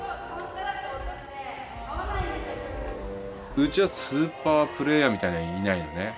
うちはスーパープレーヤーみたいのはいないよね。